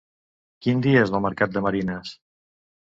Quin dia és el mercat de Marines?